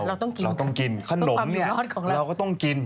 เราต้องกินคือคุณ